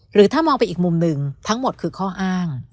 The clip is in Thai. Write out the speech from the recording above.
หรือถ้ามองไปอีกมุมหนึ่งทั้งหมดคือข้ออ้าง